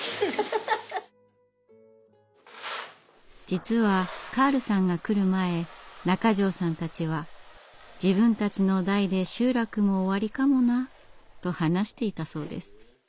実はカールさんが来る前中條さんたちは「自分たちの代で集落も終わりかもな」と話していたそうです。